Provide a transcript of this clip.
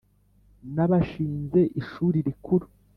n abashinze Ishuri Rikuru